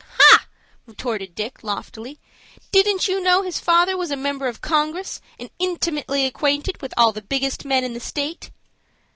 "He!" retorted Dick, loftily. "Didn't you know his father was a member of Congress, and intimately acquainted with all the biggest men in the State?"